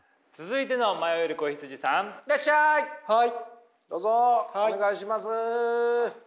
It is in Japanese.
はい。